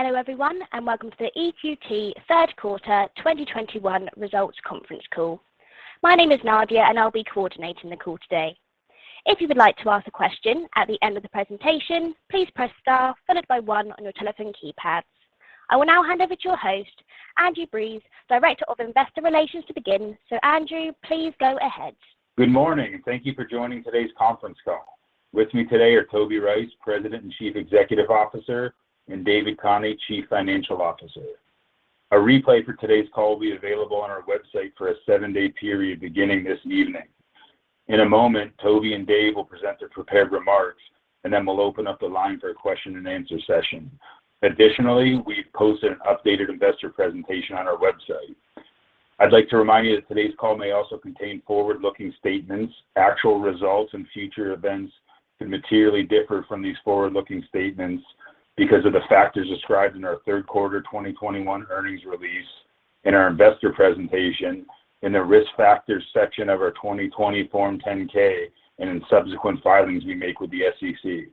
Hello everyone, and welcome to the EQT third quarter 2021 results conference call. My name is Nadia, and I'll be coordinating the call today. If you would like to ask a question at the end of the presentation, please press star followed by one on your telephone keypads. I will now hand over to your host, Andrew Breese, Director of Investor Relations, to begin. Andrew, please go ahead. Good morning, and thank you for joining today's conference call. With me today are Toby Rice, President and Chief Executive Officer, and David Khani, Chief Financial Officer. A replay for today's call will be available on our website for a seven-day period beginning this evening. In a moment, Toby and Dave will present their prepared remarks, and then we'll open up the line for a question-and-answer session. Additionally, we've posted an updated investor presentation on our website. I'd like to remind you that today's call may also contain forward-looking statements. Actual results and future events can materially differ from these forward-looking statements because of the factors described in our third quarter 2021 earnings release, in our investor presentation, in the Risk Factors section of our 2020 Form 10-K, and in subsequent filings we make with the SEC.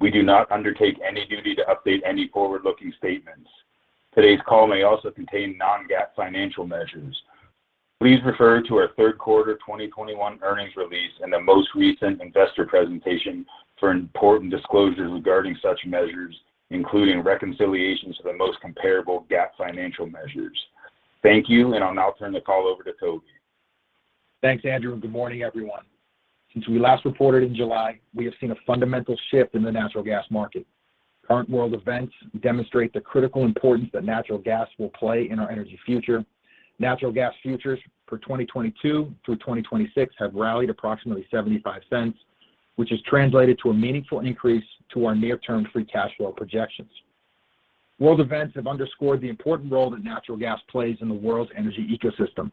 We do not undertake any duty to update any forward-looking statements. Today's call may also contain non-GAAP financial measures. Please refer to our third quarter 2021 earnings release and the most recent investor presentation for important disclosures regarding such measures, including reconciliations to the most comparable GAAP financial measures. Thank you, and I'll now turn the call over to Toby. Thanks, Andrew, and good morning, everyone. Since we last reported in July, we have seen a fundamental shift in the natural gas market. Current world events demonstrate the critical importance that natural gas will play in our energy future. Natural gas futures for 2022 through 2026 have rallied approximately $0.75, which has translated to a meaningful increase to our near-term free cash flow projections. World events have underscored the important role that natural gas plays in the world's energy ecosystem,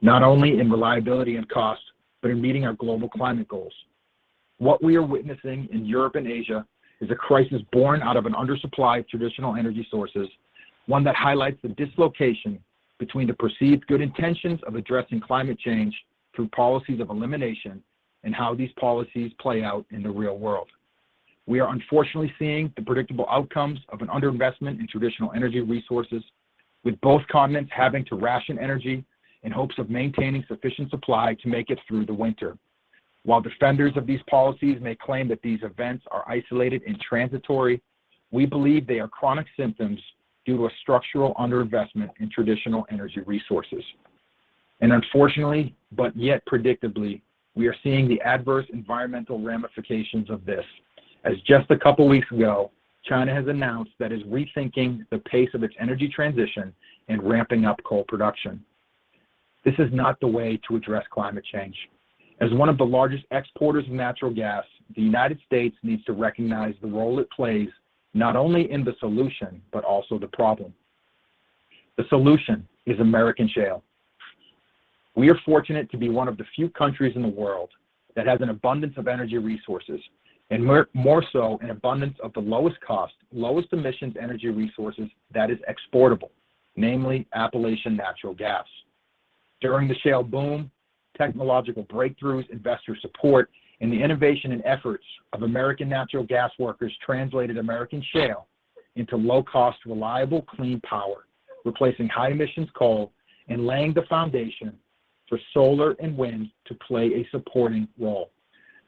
not only in reliability and cost, but in meeting our global climate goals. What we are witnessing in Europe and Asia is a crisis born out of an undersupply of traditional energy sources, one that highlights the dislocation between the perceived good intentions of addressing climate change through policies of elimination and how these policies play out in the real world. We are unfortunately seeing the predictable outcomes of an underinvestment in traditional energy resources, with both continents having to ration energy in hopes of maintaining sufficient supply to make it through the winter. While defenders of these policies may claim that these events are isolated and transitory, we believe they are chronic symptoms due to a structural underinvestment in traditional energy resources. Unfortunately, but yet predictably, we are seeing the adverse environmental ramifications of this, as just a couple weeks ago, China has announced that it is rethinking the pace of its energy transition and ramping up coal production. This is not the way to address climate change. As one of the largest exporters of natural gas, the United States needs to recognize the role it plays not only in the solution, but also the problem. The solution is American shale. We are fortunate to be one of the few countries in the world that has an abundance of energy resources, and more so, an abundance of the lowest cost, lowest emissions energy resources that is exportable, namely Appalachian natural gas. During the shale boom, technological breakthroughs, investor support, and the innovation and efforts of American natural gas workers translated American shale into low-cost, reliable, clean power, replacing high-emissions coal and laying the foundation for solar and wind to play a supporting role,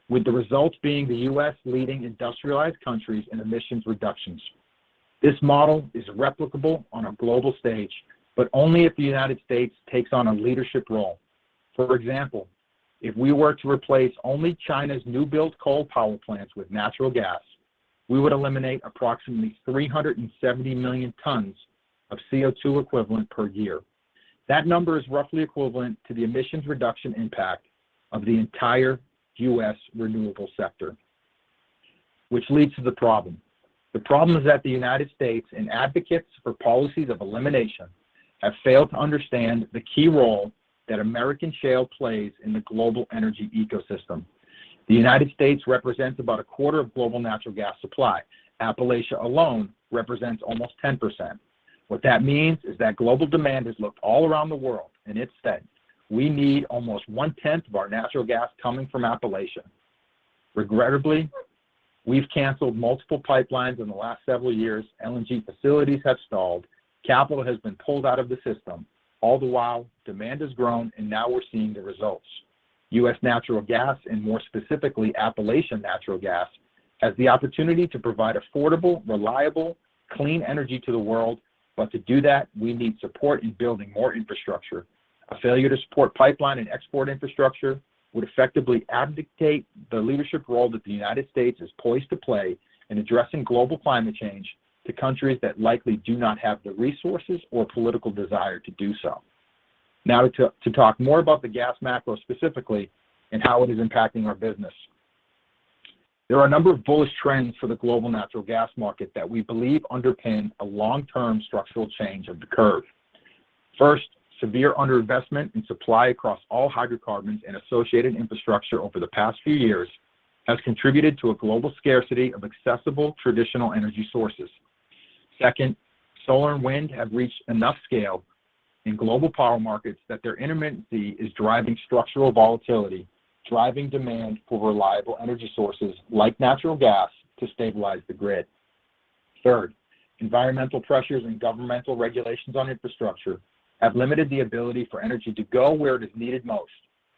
with the results being the U.S. leading industrialized countries in emissions reductions. This model is replicable on a global stage, but only if the United States takes on a leadership role. For example, if we were to replace only China's new-built coal power plants with natural gas, we would eliminate approximately 370 million tons of CO2 equivalent per year. That number is roughly equivalent to the emissions reduction impact of the entire U.S. renewable sector. Which leads to the problem. The problem is that the United States and advocates for policies of elimination have failed to understand the key role that American shale plays in the global energy ecosystem. The United States represents about a quarter of global natural gas supply. Appalachia alone represents almost 10%. What that means is that global demand has looked all around the world, and it's said, "We need almost one-tenth of our natural gas coming from Appalachia." Regrettably, we've canceled multiple pipelines in the last several years. LNG facilities have stalled. Capital has been pulled out of the system. All the while, demand has grown, and now we're seeing the results. U.S. natural gas, and more specifically, Appalachian natural gas, has the opportunity to provide affordable, reliable, clean energy to the world. To do that, we need support in building more infrastructure. A failure to support pipeline and export infrastructure would effectively abdicate the leadership role that the United States is poised to play in addressing global climate change to countries that likely do not have the resources or political desire to do so. Now to talk more about the gas macro specifically and how it is impacting our business. There are a number of bullish trends for the global natural gas market that we believe underpin a long-term structural change of the curve. First, severe underinvestment in supply across all hydrocarbons and associated infrastructure over the past few years has contributed to a global scarcity of accessible traditional energy sources. Second, solar and wind have reached enough scale in global power markets that their intermittency is driving structural volatility, driving demand for reliable energy sources like natural gas to stabilize the grid. Third, environmental pressures and governmental regulations on infrastructure have limited the ability for energy to go where it is needed most,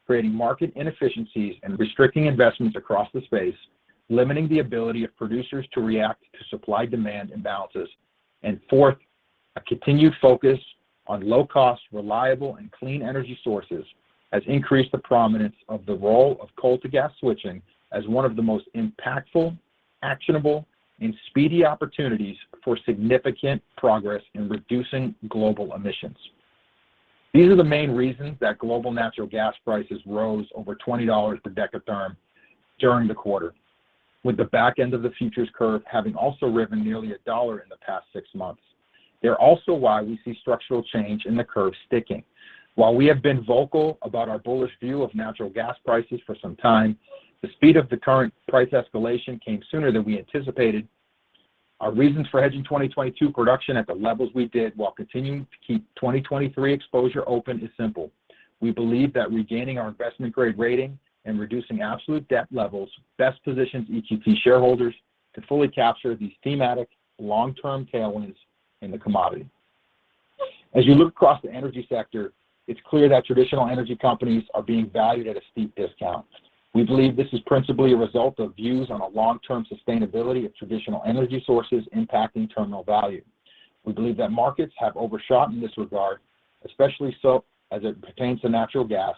creating market inefficiencies and restricting investments across the space, limiting the ability of producers to react to supply-demand imbalances. Fourth, a continued focus on low-cost, reliable, and clean energy sources has increased the prominence of the role of coal to gas switching as one of the most impactful, actionable, and speedy opportunities for significant progress in reducing global emissions. These are the main reasons that global natural gas prices rose over $20 per dekatherm during the quarter, with the back end of the futures curve having also risen nearly $1 in the past six months. They're also why we see structural change in the curve sticking. While we have been vocal about our bullish view of natural gas prices for some time, the speed of the current price escalation came sooner than we anticipated. Our reasons for hedging 2022 production at the levels we did while continuing to keep 2023 exposure open is simple. We believe that regaining our investment grade rating and reducing absolute debt levels best positions EQT shareholders to fully capture these thematic long-term tailwinds in the commodity. As you look across the energy sector, it's clear that traditional energy companies are being valued at a steep discount. We believe this is principally a result of views on a long-term sustainability of traditional energy sources impacting terminal value. We believe that markets have overshot in this regard, especially so as it pertains to natural gas,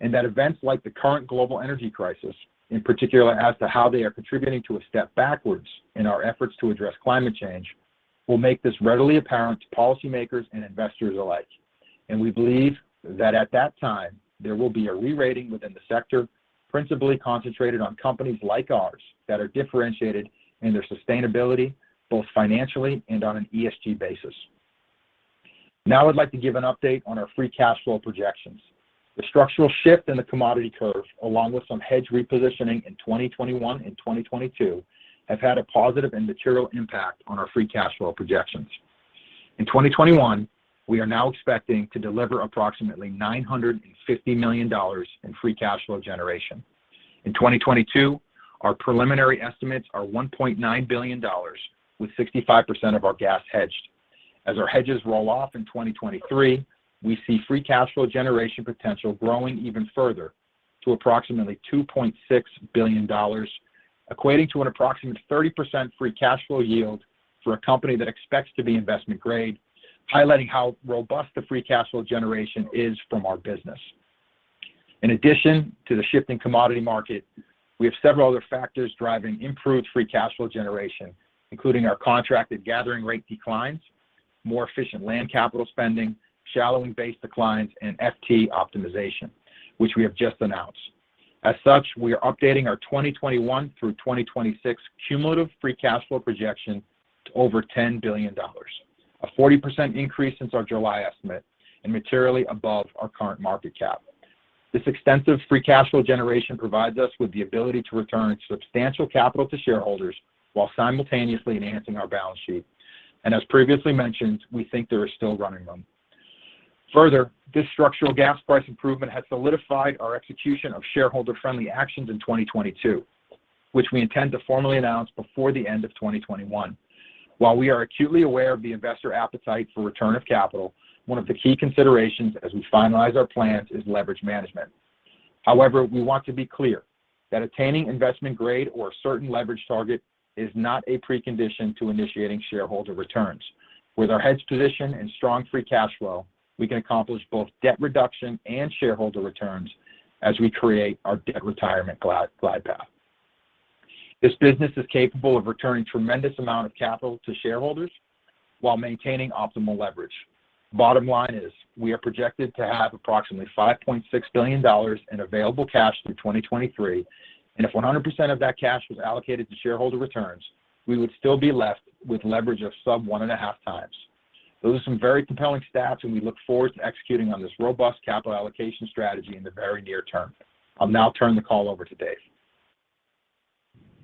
and that events like the current global energy crisis, in particular as to how they are contributing to a step backwards in our efforts to address climate change, will make this readily apparent to policymakers and investors alike. We believe that at that time, there will be a re-rating within the sector, principally concentrated on companies like ours that are differentiated in their sustainability, both financially and on an ESG basis. Now I'd like to give an update on our free cash flow projections. The structural shift in the commodity curve, along with some hedge repositioning in 2021 and 2022, have had a positive and material impact on our free cash flow projections. In 2021, we are now expecting to deliver approximately $950 million in free cash flow generation. In 2022, our preliminary estimates are $1.9 billion, with 65% of our gas hedged. As our hedges roll off in 2023, we see free cash flow generation potential growing even further to approximately $2.6 billion, equating to an approximate 30% free cash flow yield for a company that expects to be investment grade, highlighting how robust the free cash flow generation is from our business. In addition to the shift in commodity market, we have several other factors driving improved free cash flow generation, including our contracted gathering rate declines, more efficient land capital spending, shallowing base declines, and FT optimization, which we have just announced. As such, we are updating our 2021 through 2026 cumulative free cash flow projection to over $10 billion, a 40% increase since our July estimate and materially above our current market cap. This extensive free cash flow generation provides us with the ability to return substantial capital to shareholders while simultaneously enhancing our balance sheet. As previously mentioned, we think there is still running room. Further, this structural gas price improvement has solidified our execution of shareholder-friendly actions in 2022, which we intend to formally announce before the end of 2021. While we are acutely aware of the investor appetite for return of capital, one of the key considerations as we finalize our plans is leverage management. However, we want to be clear that attaining investment grade or a certain leverage target is not a precondition to initiating shareholder returns. With our hedge position and strong free cash flow, we can accomplish both debt reduction and shareholder returns as we create our debt retirement glide path. This business is capable of returning tremendous amount of capital to shareholders while maintaining optimal leverage. Bottom line is we are projected to have approximately $5.6 billion in available cash through 2023. If 100% of that cash was allocated to shareholder returns, we would still be left with leverage of sub 1.5x. Those are some very compelling stats, and we look forward to executing on this robust capital allocation strategy in the very near term. I'll now turn the call over to David Khani.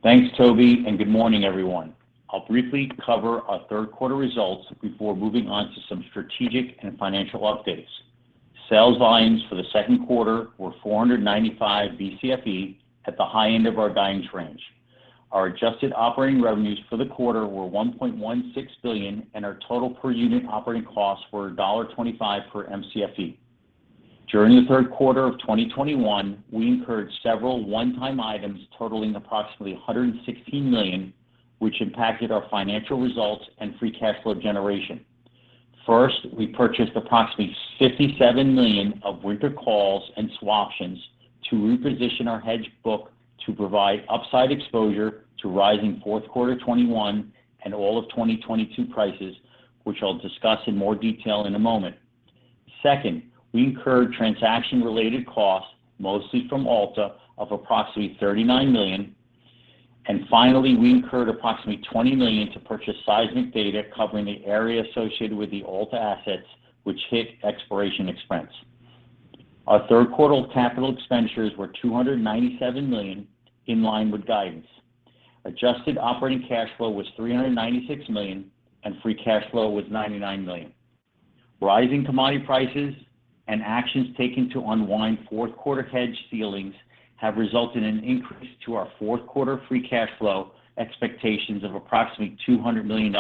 Thanks, Toby, and good morning, everyone. I'll briefly cover our third quarter results before moving on to some strategic and financial updates. Sales volumes for the second quarter were 495 BCFE at the high end of our guidance range. Our adjusted operating revenues for the quarter were $1.16 billion, and our total per unit operating costs were $1.25 per MCFE. During the third quarter of 2021, we incurred several one-time items totaling approximately $116 million, which impacted our financial results and free cash flow generation. First, we purchased approximately $57 million of winter calls and swaptions to reposition our hedge book to provide upside exposure to rising fourth quarter 2021 and all of 2022 prices, which I'll discuss in more detail in a moment. Second, we incurred transaction-related costs, mostly from Alta, of approximately $39 million. Finally, we incurred approximately $20 million to purchase seismic data covering the area associated with the Alta assets, which hit exploration expense. Our third quarter capital expenditures were $297 million in line with guidance. Adjusted operating cash flow was $396 million and free cash flow was $99 million. Rising commodity prices and actions taken to unwind fourth quarter hedge ceilings have resulted in an increase to our fourth quarter free cash flow expectations of approximately $200 million.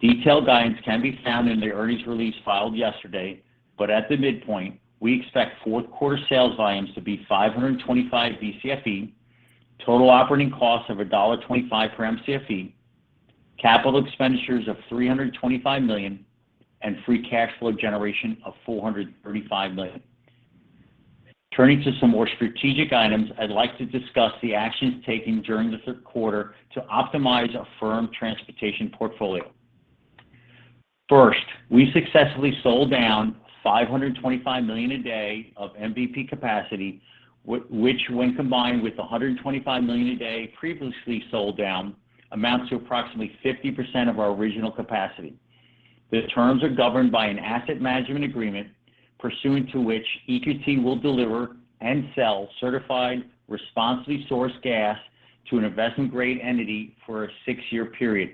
Detailed guidance can be found in the earnings release filed yesterday, but at the midpoint, we expect fourth quarter sales volumes to be 525 BCFE, total operating costs of $1.25 per MCFE, capital expenditures of $325 million, and free cash flow generation of $435 million. Turning to some more strategic items, I'd like to discuss the actions taken during the third quarter to optimize a firm transportation portfolio. First, we successfully sold down 525 million a day of MVP capacity, which when combined with 125 million a day previously sold down, amounts to approximately 50% of our original capacity. The terms are governed by an asset management agreement pursuant to which EQT will deliver and sell certified responsibly sourced gas to an investment grade entity for a six-year period.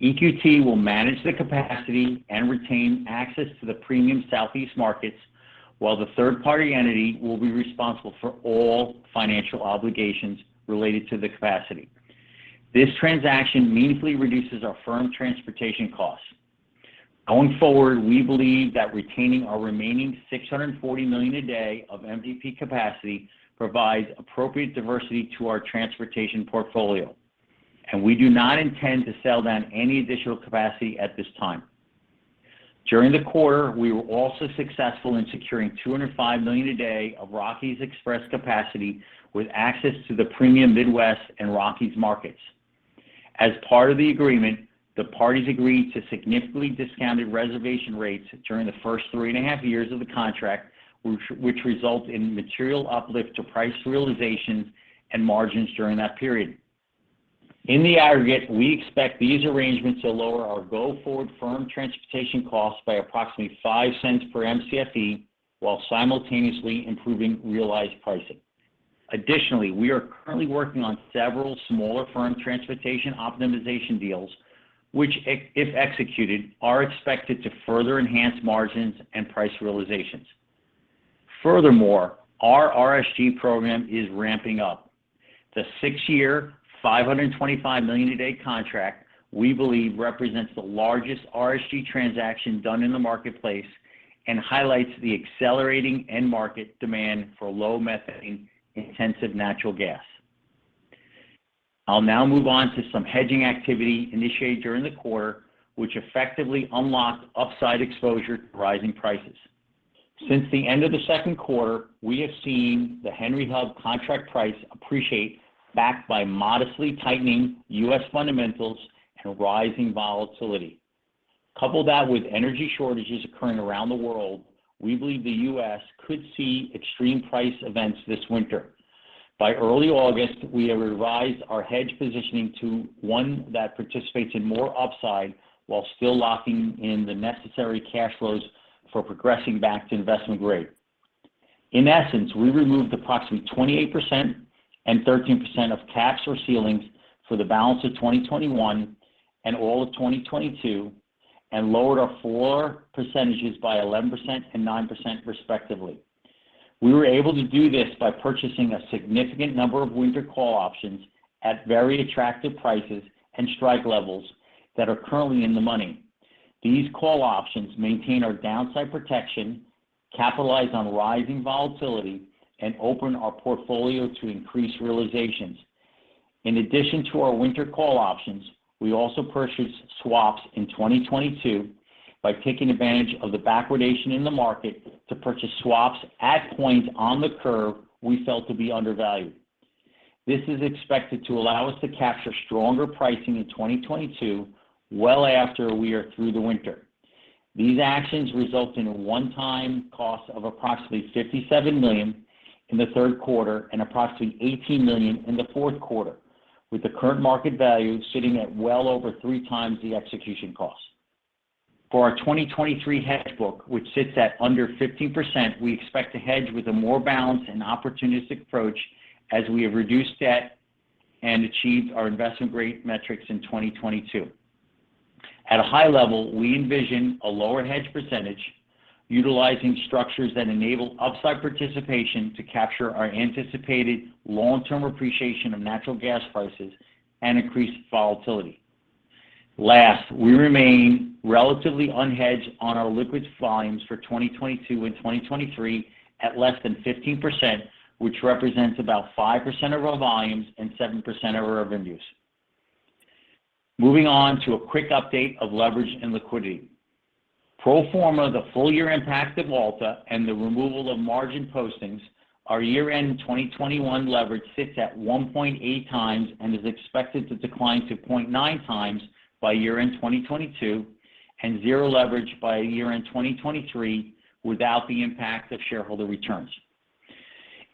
EQT will manage the capacity and retain access to the premium Southeast markets, while the third-party entity will be responsible for all financial obligations related to the capacity. This transaction meaningfully reduces our firm transportation costs. Going forward, we believe that retaining our remaining 640 million a day of MVP capacity provides appropriate diversity to our transportation portfolio, and we do not intend to sell down any additional capacity at this time. During the quarter, we were also successful in securing 205 million a day of Rockies Express capacity with access to the premium Midwest and Rockies markets. As part of the agreement, the parties agreed to significantly discounted reservation rates during the first 3.5 years of the contract, which result in material uplift to price realizations and margins during that period. In the aggregate, we expect these arrangements to lower our go forward firm transportation costs by approximately $0.05 per MCFE, while simultaneously improving realized pricing. Additionally, we are currently working on several smaller firm transportation optimization deals, which, if executed, are expected to further enhance margins and price realizations. Furthermore, our RSG program is ramping up. The six-year, 525 million a day contract, we believe represents the largest RSG transaction done in the marketplace and highlights the accelerating end market demand for low methane intensive natural gas. I'll now move on to some hedging activity initiated during the quarter, which effectively unlocked upside exposure to rising prices. Since the end of the second quarter, we have seen the Henry Hub contract price appreciate backed by modestly tightening U.S. fundamentals and rising volatility. Couple that with energy shortages occurring around the world, we believe the U.S. could see extreme price events this winter. By early August, we have revised our hedge positioning to one that participates in more upside while still locking in the necessary cash flows for progressing back to investment grade. In essence, we removed approximately 28% and 13% of caps or ceilings for the balance of 2021 and all of 2022, and lowered our floor percentages by 11% and 9% respectively. We were able to do this by purchasing a significant number of winter call options at very attractive prices and strike levels that are currently in the money. These call options maintain our downside protection, capitalize on rising volatility, and open our portfolio to increase realizations. In addition to our winter call options, we also purchased swaps in 2022 by taking advantage of the backwardation in the market to purchase swaps at points on the curve we felt to be undervalued. This is expected to allow us to capture stronger pricing in 2022, well after we are through the winter. These actions result in a one-time cost of approximately $57 million in the third quarter and approximately $18 million in the fourth quarter, with the current market value sitting at well over 3 times the execution cost. For our 2023 hedge book, which sits at under 15%, we expect to hedge with a more balanced and opportunistic approach as we have reduced debt and achieved our investment grade metrics in 2022. At a high level, we envision a lower hedge percentage utilizing structures that enable upside participation to capture our anticipated long-term appreciation of natural gas prices and increased volatility. Last, we remain relatively unhedged on our liquid volumes for 2022 and 2023 at less than 15%, which represents about 5% of our volumes and 7% of our revenues. Moving on to a quick update of leverage and liquidity. Pro forma, the full year impact of Alta and the removal of margin postings, our year-end 2021 leverage sits at 1.8x and is expected to decline to 0.9x by year-end 2022, and zero leverage by year-end 2023 without the impact of shareholder returns.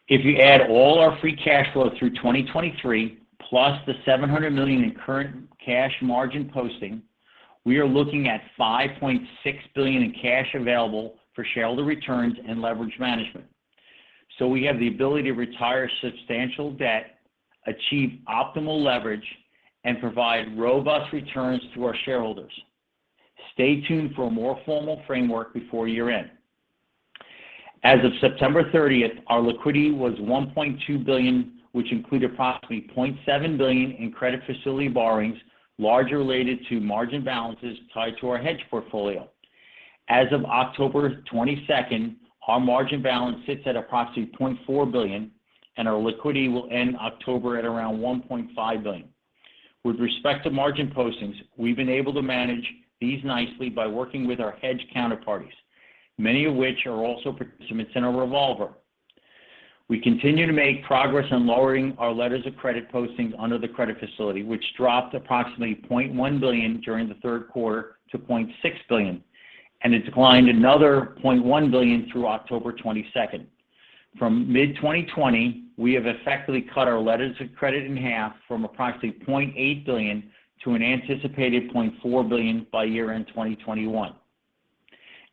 If you add all our free cash flow through 2023 plus the $700 million in current cash margin posting, we are looking at $5.6 billion in cash available for shareholder returns and leverage management. We have the ability to retire substantial debt, achieve optimal leverage, and provide robust returns to our shareholders. Stay tuned for a more formal framework before year-end. As of September 30, our liquidity was $1.2 billion, which included approximately $0.7 billion in credit facility borrowings, largely related to margin balances tied to our hedge portfolio. As of October 22, our margin balance sits at approximately $0.4 billion, and our liquidity will end October at around $1.5 billion. With respect to margin postings, we've been able to manage these nicely by working with our hedge counterparties, many of which are also participants in our revolver. We continue to make progress on lowering our letters of credit postings under the credit facility, which dropped approximately $0.1 billion during the third quarter to $0.6 billion, and it declined another $0.1 billion through October 22. From mid-2020, we have effectively cut our letters of credit in half from approximately $0.8 billion to an anticipated $0.4 billion by year-end 2021.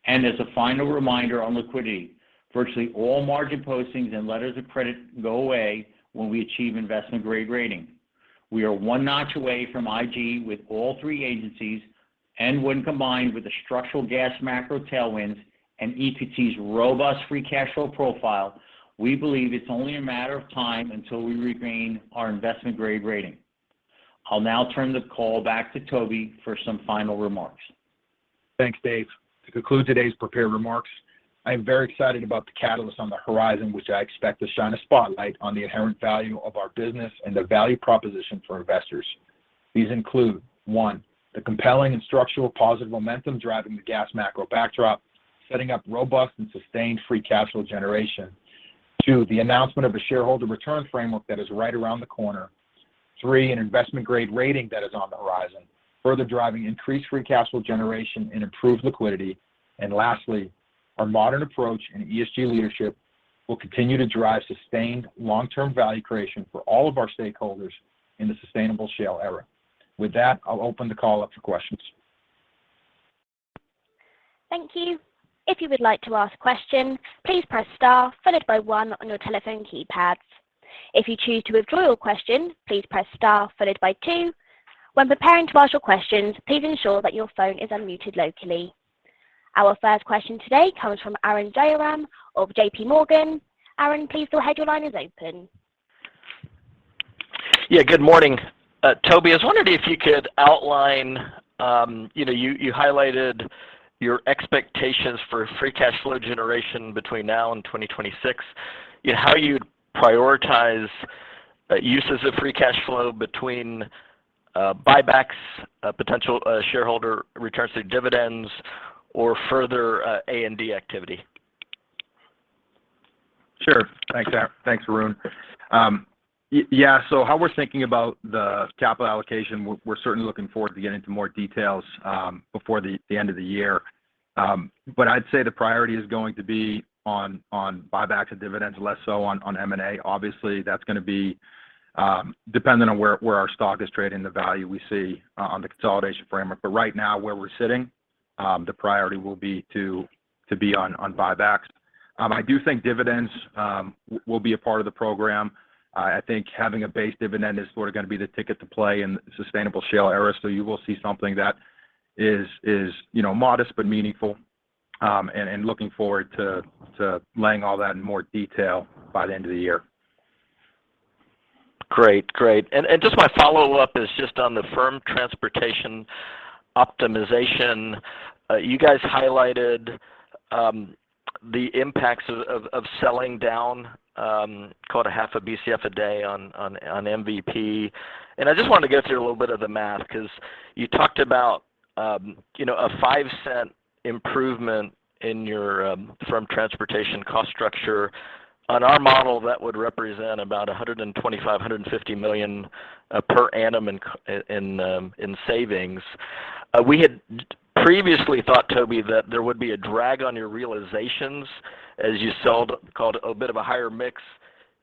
As a final reminder on liquidity, virtually all margin postings and letters of credit go away when we achieve investment grade rating. We are one notch away from IG with all three agencies, and when combined with the structural gas macro tailwinds and EQT's robust free cash flow profile, we believe it's only a matter of time until we regain our investment grade rating. I'll now turn the call back to Toby for some final remarks. Thanks, Dave. To conclude today's prepared remarks, I am very excited about the catalyst on the horizon, which I expect to shine a spotlight on the inherent value of our business and the value proposition for investors. These include, one, the compelling and structural positive momentum driving the gas macro backdrop, setting up robust and sustained free cash flow generation. Two, the announcement of a shareholder return framework that is right around the corner. Three, an investment-grade rating that is on the horizon, further driving increased free cash flow generation and improved liquidity. Lastly, our modern approach and ESG leadership will continue to drive sustained long-term value creation for all of our stakeholders in the sustainable shale era. With that, I'll open the call up for questions. Thank you. If you would like to ask a question, please press star followed by one on your telephone keypads. If you choose to withdraw your question, please press star followed by two. When preparing to ask your questions, please ensure that your phone is unmuted locally. Our first question today comes from Arun Jayaram of JPMorgan. Arun, please go ahead. Your line is open. Yeah, good morning. Toby, I was wondering if you could outline you highlighted your expectations for free cash flow generation between now and 2026, how you'd prioritize uses of free cash flow between buybacks, potential shareholder returns through dividends or further A&D activity? Sure. Thanks, Arun. Yeah, so how we're thinking about the capital allocation, we're certainly looking forward to getting into more details before the end of the year. I'd say the priority is going to be on buybacks and dividends, less so on M&A. Obviously, that's gonna be dependent on where our stock is trading, the value we see on the consolidation framework. Right now, where we're sitting, the priority will be to be on buybacks. I do think dividends will be a part of the program. I think having a base dividend is sort of gonna be the ticket to play in the sustainable shale era. You will see something that is, you know, modest but meaningful, and looking forward to laying all that in more detail by the end of the year. Just my follow-up is just on the firm transportation optimization. You guys highlighted the impacts of selling down call it half a BCF a day on MVP. I just wanted to go through a little bit of the math because you talked about you know a $0.05 improvement in your firm transportation cost structure. On our model, that would represent about $125 million-$150 million per annum in savings. We had previously thought, Toby, that there would be a drag on your realizations as you sell down call it a bit of a higher mix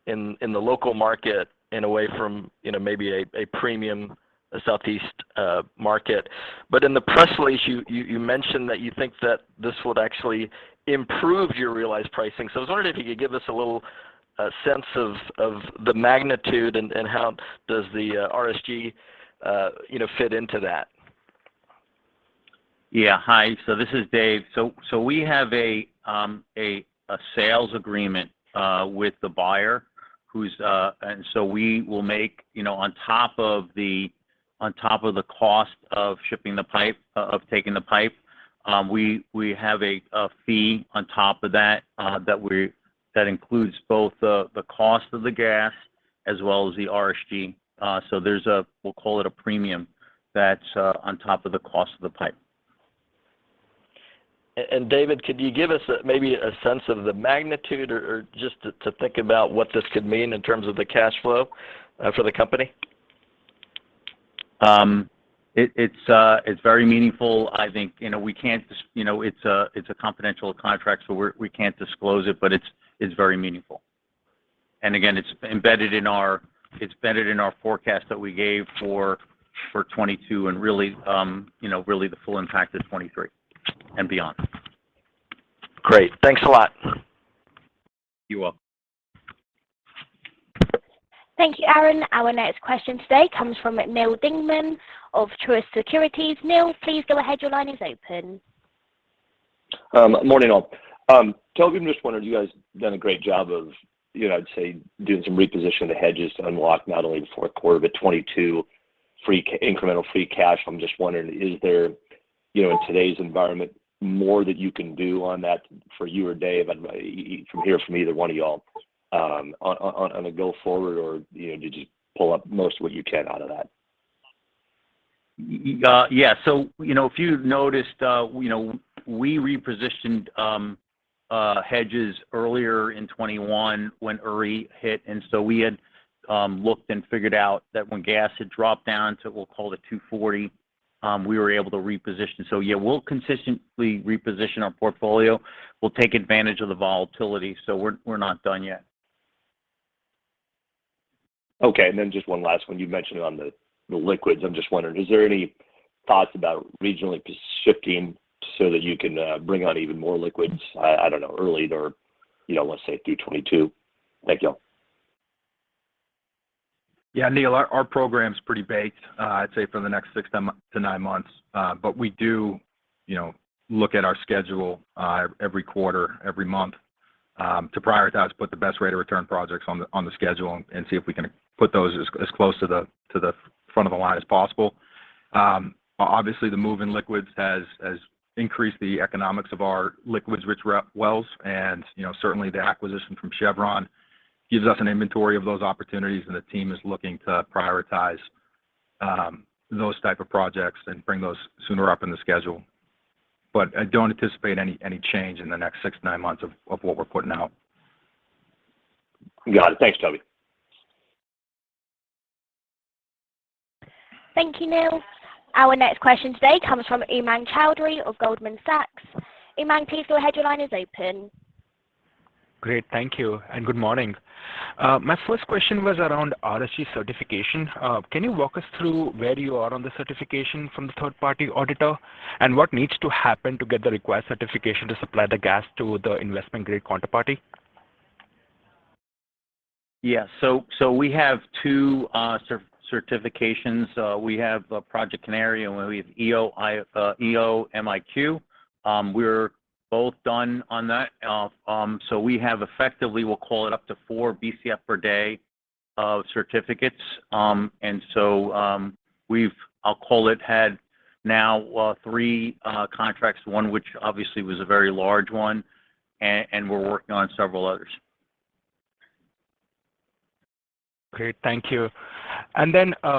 in the local market and away from you know maybe a premium Southeast market. In the press release, you mentioned that you think that this would actually improve your realized pricing. I was wondering if you could give us a little sense of the magnitude and how does the RSG you know fit into that? Yeah. Hi, so this is Dave. We have a sales agreement with the buyer. On top of the cost of taking the pipe, we have a fee on top of that that includes both the cost of the gas as well as the RSG. There's a, we'll call it a premium that's on top of the cost of the pipe. David, could you give us a, maybe a sense of the magnitude or just to think about what this could mean in terms of the cash flow for the company? It's very meaningful. I think it's a confidential contract, so we can't disclose it, but it's very meaningful. Again, it's embedded in our forecast that we gave for 2022, and really, you know, really the full impact is 2023 and beyond. Great. Thanks a lot. You're welcome. Thank you, Arun. Our next question today comes from Neal Dingmann of Truist Securities. Neil, please go ahead. Your line is open. Morning, all. Toby, I'm just wondering, you guys have done a great job of, you know, I'd say doing some reposition of the hedges to unlock not only the fourth quarter, but 2022 incremental free cash. I'm just wondering, is there, you know, in today's environment, more that you can do on that from you or David. Hear from either one of y'all on going forward or, you know, did you pull out most of what you can out of that? Yeah. You know, if you've noticed, we repositioned hedges earlier in 2021 when Uri hit, and we had looked and figured out that when gas had dropped down to, we'll call it $2.40, we were able to reposition. Yeah, we'll consistently reposition our portfolio. We'll take advantage of the volatility, so we're not done yet. Okay. Just one last one. You mentioned on the liquids, I'm just wondering, is there any thoughts about regionally shifting so that you can bring on even more liquids, I don't know, early or, you know, let's say through 2022? Thank you. Yeah, Neal, our program's pretty baked, I'd say for the next six to nine months. We do, you know, look at our schedule every quarter, every month to prioritize, put the best rate of return projects on the schedule and see if we can put those as close to the front of the line as possible. Obviously the move in liquids has increased the economics of our liquids-rich wells, and, you know, certainly the acquisition from Chevron gives us an inventory of those opportunities, and the team is looking to prioritize those type of projects and bring those sooner up in the schedule. I don't anticipate any change in the next six to nine months of what we're putting out. Got it. Thanks, Toby. Thank you, Neal. Our next question today comes from Umang Choudhary of Goldman Sachs. Umang, please go ahead. Your line is open. Great. Thank you, and good morning. My first question was around RSG certification. Can you walk us through where you are on the certification from the third party auditor, and what needs to happen to get the required certification to supply the gas to the investment grade counterparty? Yeah. We have two certifications. We have Project Canary and we have EO/MiQ. We're both done on that. We have effectively, we'll call it up to 4 BCF per day of certificates. We've had, I'll call it, now three contracts, one which obviously was a very large one and we're working on several others. Great. Thank you.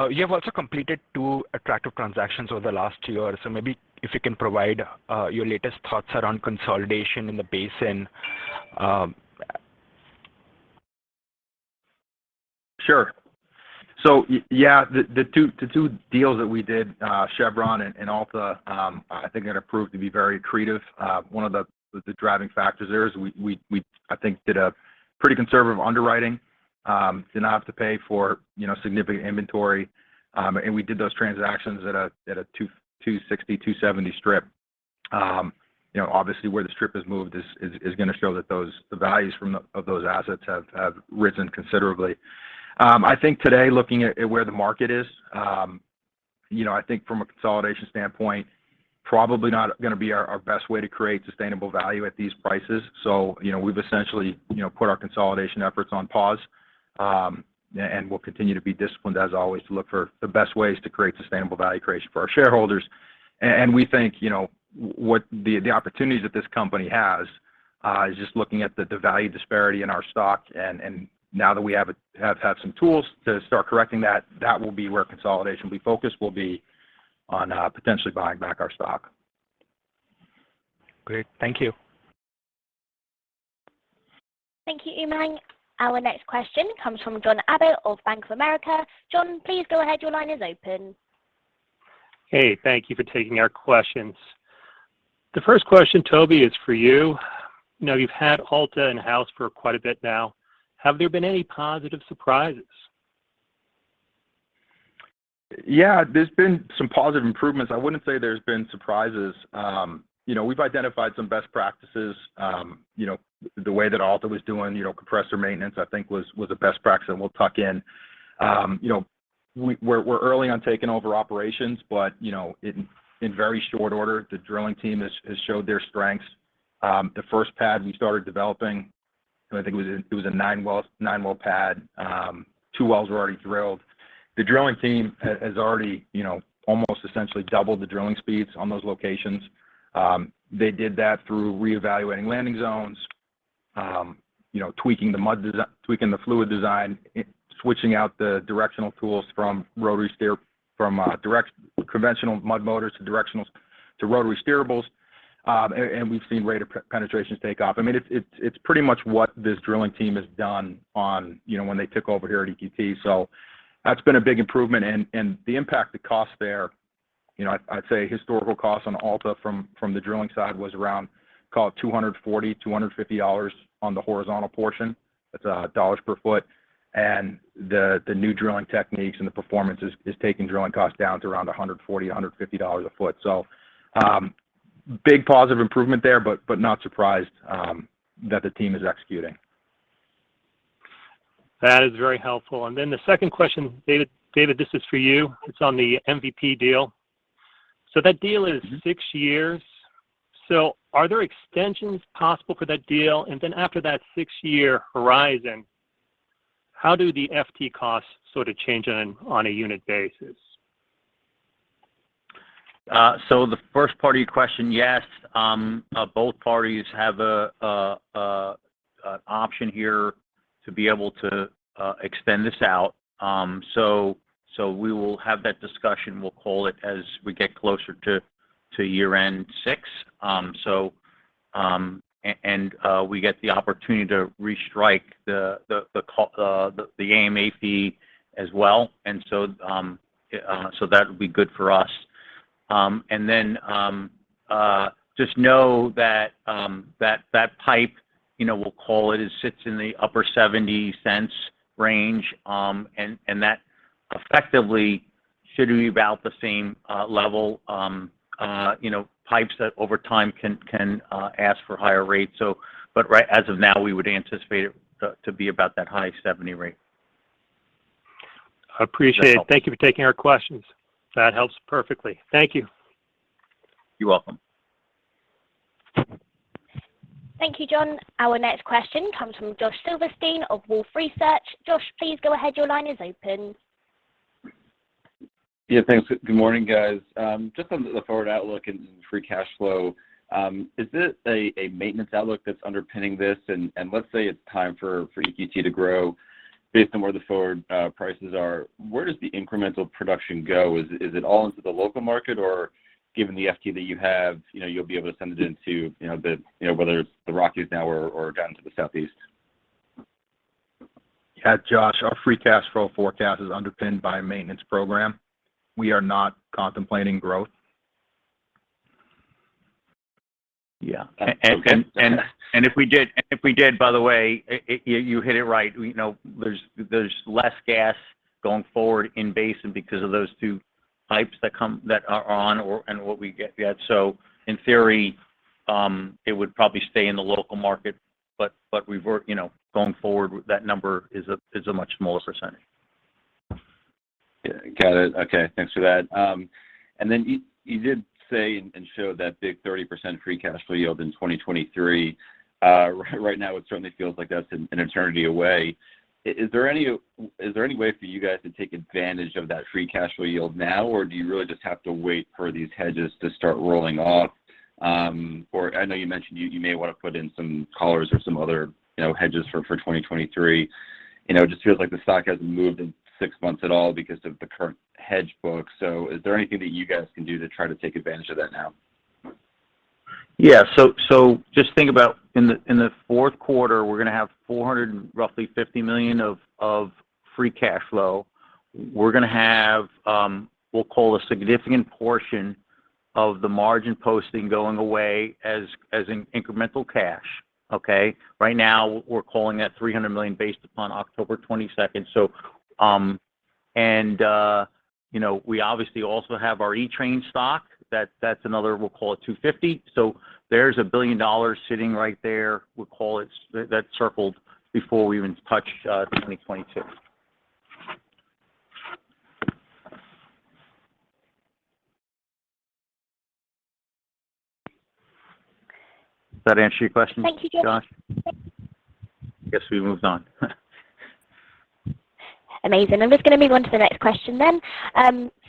You have also completed two attractive transactions over the last two years. Maybe if you can provide your latest thoughts around consolidation in the basin. Sure. Yeah, the two deals that we did, Chevron and Alta, I think that have proved to be very accretive. One of the driving factors there is we I think did a pretty conservative underwriting, did not have to pay for you know significant inventory. We did those transactions at a $2.60-$2.70 strip. You know, obviously where the strip has moved is gonna show that those the values of those assets have risen considerably. I think today looking at where the market is, you know, I think from a consolidation standpoint, probably not gonna be our best way to create sustainable value at these prices. You know, we've essentially you know put our consolidation efforts on pause. We'll continue to be disciplined as always to look for the best ways to create sustainable value creation for our shareholders. We think, you know, what the opportunities that this company has is just looking at the value disparity in our stock and now that we have had some tools to start correcting that will be where consolidation focus will be on, potentially buying back our stock. Great. Thank you. Thank you, Umang. Our next question comes from John Abbott of Bank of America. John, please go ahead. Your line is open. Hey, thank you for taking our questions. The first question, Toby, is for you. I know you've had Alta in-house for quite a bit now. Have there been any positive surprises? Yeah, there's been some positive improvements. I wouldn't say there's been surprises. You know, we've identified some best practices. You know, the way that Alta was doing, you know, compressor maintenance I think was a best practice, and we'll tuck in. You know, we're early on taking over operations but, you know, in very short order the drilling team has showed their strengths. The first pad we started developing, and I think it was a nine-well pad, two wells were already drilled. The drilling team has already, you know, almost essentially doubled the drilling speeds on those locations. They did that through reevaluating landing zones, you know, tweaking the fluid design, switching out the directional tools from direct conventional mud motors to rotary steerables. We've seen rate of penetration take off. I mean, it's pretty much what this drilling team has done, you know, when they took over here at EQT. That's been a big improvement. The impact to cost there, you know, I'd say historical costs on Alta from the drilling side was around, call it $240-$250 on the horizontal portion. That's dollars per foot. The new drilling techniques and the performance is taking drilling costs down to around $140-$150 a foot. Big positive improvement there, but not surprised that the team is executing. That is very helpful. The second question, David, this is for you. It's on the MVP deal. That deal is six years. Are there extensions possible for that deal? After that six-year horizon, how do the FT costs sort of change on a unit basis? The first part of your question, yes, both parties have an option here to be able to extend this out. We will have that discussion, we'll call it, as we get closer to year-end six. We get the opportunity to restrike the AMAP as well. That would be good for us. Just know that pipe, you know, we'll call it sits in the upper $0.70 range. That effectively should be about the same level, you know, pipes that over time can ask for higher rates. As of now, we would anticipate it to be about that high $0.70 rate. Appreciate it. Does that help? Thank you for taking our questions. That helps perfectly. Thank you. You're welcome. Thank you, John. Our next question comes from Josh Silverstein of Wolfe Research. Josh, please go ahead. Your line is open. Yeah, thanks. Good morning, guys. Just on the forward outlook and free cash flow, is this a maintenance outlook that's underpinning this? Let's say it's time for EQT to grow based on where the forward prices are, where does the incremental production go? Is it all into the local market? Or given the FT that you have, you know, you'll be able to send it into, you know, the, you know, whether it's the Rockies now or down to the southeast? Yeah, Josh, our free cash flow forecast is underpinned by a maintenance program. We are not contemplating growth. Yeah. If we did, by the way, you hit it right. You know, there's less gas going forward in basin because of those two pipes that are on and what we get yet. In theory, it would probably stay in the local market, but we've worked, you know, going forward with that number is a much smaller percentage. Yeah. Got it. Okay. Thanks for that. And then you did say and show that big 30% free cash flow yield in 2023. Right now it certainly feels like that's an eternity away. Is there any way for you guys to take advantage of that free cash flow yield now? Or do you really just have to wait for these hedges to start rolling off? Or I know you mentioned you may wanna put in some collars or some other, you know, hedges for 2023. You know, it just feels like the stock hasn't moved in six months at all because of the current hedge book. Is there anything that you guys can do to try to take advantage of that now? Yeah. Just think about in the fourth quarter, we're gonna have roughly $450 million of free cash flow. We're gonna have, we'll call a significant portion of the margin posting going away as an incremental cash, okay? Right now we're calling that $300 million based upon October 22. You know, we obviously also have our Equitrans stock. That's another, we'll call it $250. There's a billion dollars sitting right there, we'll call it, that's circled before we even touch 2022. That answers your question, Josh? Thank you, Josh. I guess we move on. Amazing. I'm just gonna move on to the next question then.